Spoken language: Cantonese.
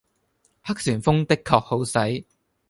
黑旋風的確好使